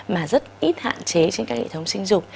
mà rất ít hạn chế trên các hệ thống sinh dục